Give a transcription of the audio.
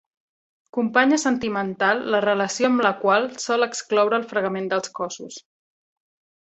Companya sentimental la relació amb la qual sol excloure el fregament dels cossos.